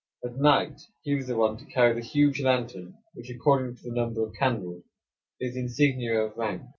At night he was the one to carry the huge lantern, which, according to the number of candles, is the insignia of rank.